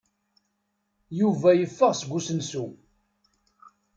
Yuba yeffeɣ seg usensu.